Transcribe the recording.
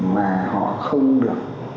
mà họ không được